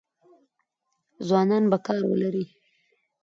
ځوانان به کار ولري؟